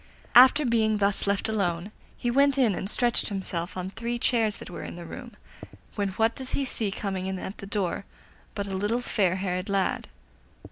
After being thus left alone, he went in and stretched himself on three chairs that were in the room, when what does he see coming in at the door but a little fair haired lad.